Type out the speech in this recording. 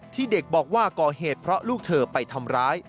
ที่เด็กบอกว่าก่อเหตุเพราะลูกเธอไปทำร้าย